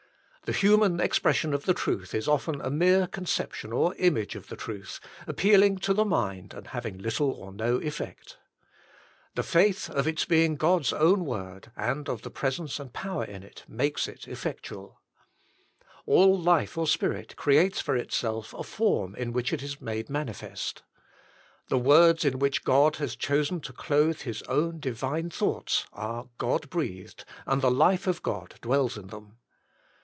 The human expression of the truth is often a mere conception or image of the truth, appealing to the mind and having little or no effect. The 98 The Inner Chamber faith of its being God's own word and of the presence and power in it, makes it effectual. All life or spirit creates for itself a form in which it is made manifest. The words in which God has chosen to clothe His own Divine thoughts are God breathed and the life of God dwells in them.